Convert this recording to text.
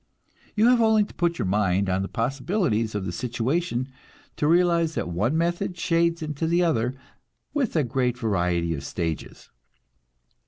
You have only to put your mind on the possibilities of the situation to realize that one method shades into the other with a great variety of stages.